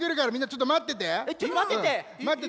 ちょっとまってって。